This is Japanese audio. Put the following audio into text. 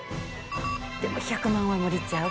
でも１００万は無理ちゃう？